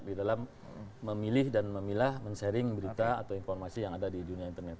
di dalam memilih dan memilah men sharing berita atau informasi yang ada di dunia internet